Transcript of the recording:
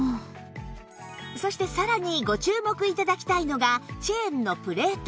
そしてさらにご注目頂きたいのがチェーンのプレート